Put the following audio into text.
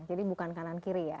jadi bukan kanan kiri ya